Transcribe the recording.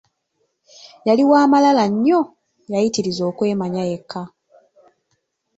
Yali wa malala nnyo, yayitiriza okwemanya yekka.